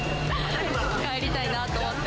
帰りたいなと思って。